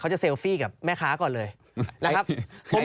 จะเซลฟี่กับแม่ค้าก่อนเลยนะครับ